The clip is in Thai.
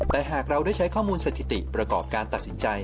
แต่หากเราได้ใช้ข้อมูลสถิติประกอบการตัดสินใจ